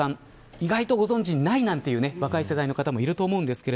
意外とご存じがないという若い世代の方もいると思います。